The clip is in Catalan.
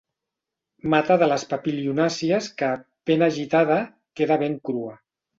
Mata de les papilionàcies que, ben agitada, queda ben crua.